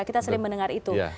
kita selalu mendengar itu